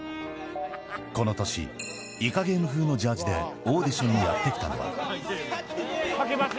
この年、イカゲーム風のジャージでオーディションにやって来たのは。